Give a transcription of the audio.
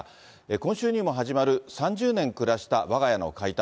今週にも始まる、３０年暮らしたわが家の解体。